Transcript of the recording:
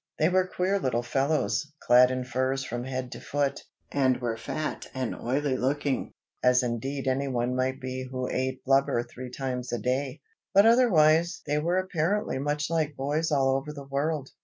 They were queer little fellows, clad in furs from head to foot, and were fat and oily looking, as indeed anyone might be who ate blubber three times a day: but otherwise they were apparently much like boys all over the world.